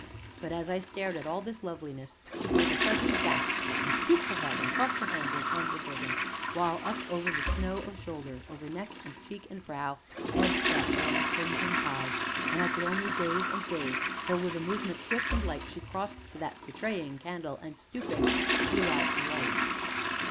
But as I stared at all this loveliness she gave a sudden gasp, and stooped her head, and crossed her hands upon her bosom, while up over the snow of shoulder, over neck and cheek and brow ebbed that warm, crimson tide; and I could only gaze and gaze till, with a movement swift and light, she crossed to that betraying candle and, stooping, blew out the light.